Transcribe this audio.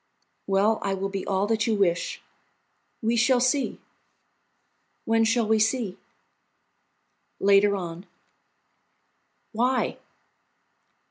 "Well, I will be all that you wish." "We shall see." "When shall we see?" "Later on." "Why?"